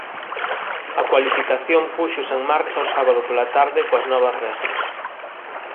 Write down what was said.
A cualificación púxose en marcha o sábado pola tarde coas novas regras.